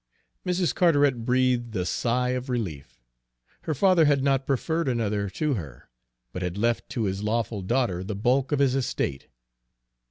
Mrs. Carteret breathed a sigh of relief. Her father had not preferred another to her, but had left to his lawful daughter the bulk of his estate.